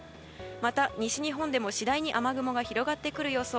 また、西日本でも次第に雨雲が広がってくる予想。